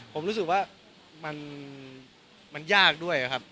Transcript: ผมรู้สึกว่ามันยากด้วยครับ